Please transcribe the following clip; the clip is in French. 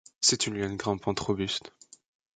C'est une liane grimpante robuste.